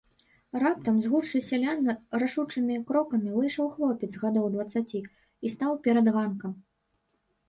Раптам з гушчы сялян рашучымі крокамі выйшаў хлопец гадоў дваццаці і стаў перад ганкам.